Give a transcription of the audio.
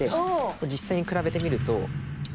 これ実際に比べてみると。